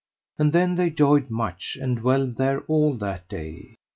And then they joyed much, and dwelled there all that day.